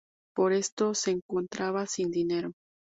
Por esto, se encontraba sin dinero.